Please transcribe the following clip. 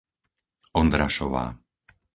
Ondrašová